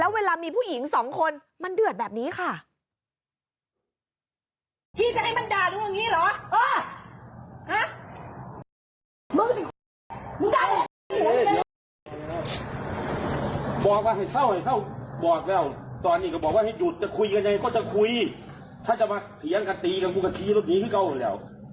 เวลามีผู้หญิงสองคนมันเดือดแบบนี้ค่ะ